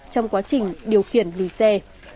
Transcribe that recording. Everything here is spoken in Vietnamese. trong quá trình điều khiển lùi xe